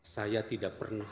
saya tidak pernah